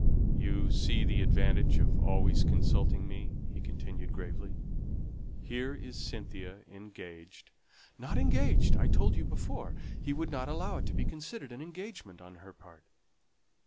"You see the advantage of always consulting me," he continued gravely. "Here is Cynthia engaged " "Not engaged, I told you before. He would not allow it to be considered an engagement on her part."